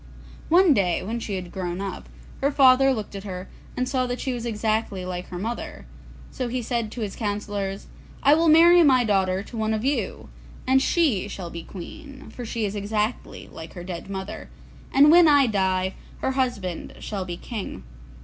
One day when she had grown up, her father looked at her, and saw that she was exactly like her mother, so he said to his councillors, 'I will marry my daughter to one of you, and she shall be queen, for she is exactly like her dead mother, and when I die her husband shall be king.